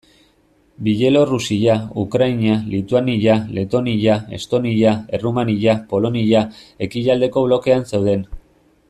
Bielorrusia, Ukraina, Lituania, Letonia, Estonia, Errumania, Polonia ekialdeko blokean zeuden.